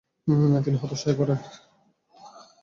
তিনি হতাশ হয়ে পড়েন।